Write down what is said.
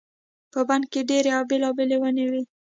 په بڼ کې ډېرې او بېلابېلې ونې وي.